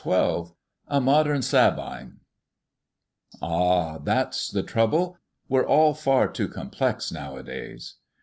XII A MODERN SABINE "Ah, that's the trouble. We're all far too complex nowadays."